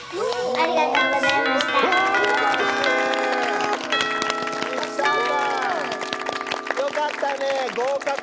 ありがとうございます。